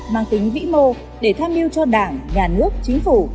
mang tính vĩ mô để tham mưu cho đảng nhà nước chính phủ